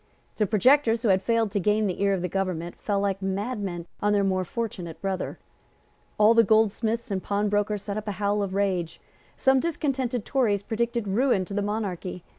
The projectors who had failed to gain the ear of the government fell like madmen on their more fortunate brother. All the goldsmiths and pawnbrokers set up a howl of rage. Some discontented Tories predicted ruin to the monarchy.